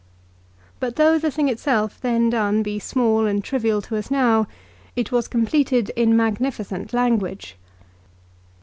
But though the thing itself then done be small and trivial to us now, it was completed in magnificent language.